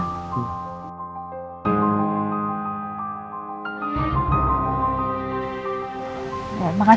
kita coba cari tempat lain